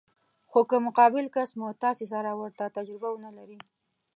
خو که مقابل کس مو تاسې سره ورته تجربه ونه لري.